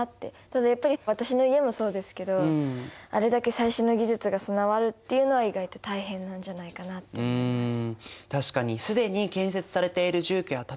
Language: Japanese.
ただやっぱり私の家もそうですけどあれだけ最新の技術が備わるっていうのは意外と大変なんじゃないかなって思います。